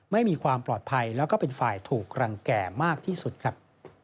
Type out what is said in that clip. ไม่มีความปลอดภัยแล้วก็เป็นฝ่ายถูกรังแก่มากที่สุดครับ